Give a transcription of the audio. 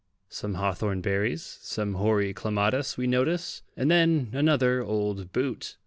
Some hawthorn berries, some hoary clematis we notice and then another old boot.